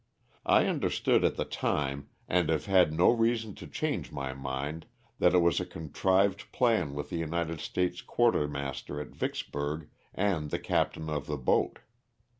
I understood at the time, and have had no reason to change my mind, that it was a contrived plan with the United States' quartermaster at Yicksburg and the captain of the boat.